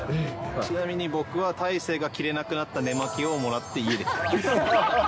ちなみに僕は、大勢が着れなくなった寝間着をもらって家で着てます。